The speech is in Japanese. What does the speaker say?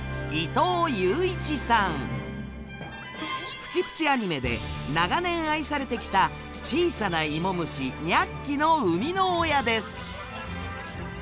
「プチプチ・アニメ」で長年愛されてきた小さなイモ虫ニャッキの生みの親です。